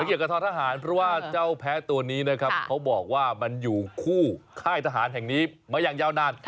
เกี่ยวกับท้อทหารเพราะว่าเจ้าแพ้ตัวนี้นะครับเขาบอกว่ามันอยู่คู่ค่ายทหารแห่งนี้มาอย่างยาวนาน